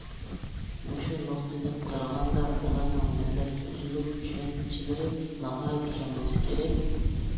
مۇشۇ نۇقتىدىن قارىغاندا ئۇلارنىڭ مىللەت ئۆزلۈك چۈشەنچىلىرى ناھايىتى كەم بولسا كېرەك.